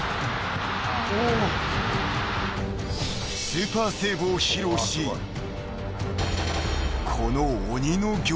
［スーパーセーブを披露しこの］